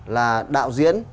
là đạo diễn